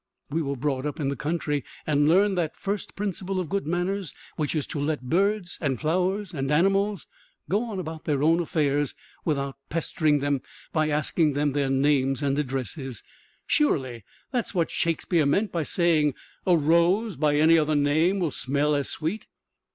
We were brought up in the country and learned that first principle of good manners, which is to let birds and flowers and animals go on about their own affairs without pestering them by asking them their names and addresses. Surely that's what Shakespeare meant by saying a rose by any other name will smell as sweet.